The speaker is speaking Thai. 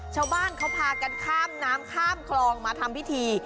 ชาวบ้านเขาพากันข้ามน้ำข้ามคลองมาทำพิธี